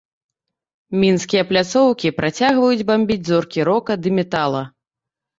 Мінскія пляцоўкі працягваюць бамбіць зоркі рока ды метала.